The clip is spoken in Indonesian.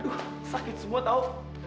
aduh sakit semua tau